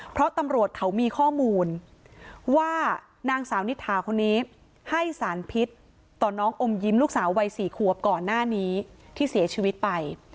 เพราะตำรวจเขามีข้อมูลว่านางสาวนิถาคนนี้ให้สารพิษต่อน้องอมยิ้มลูกสาววัย๔ขวบก่อนหน้านี้ที่เสียชีวิตไป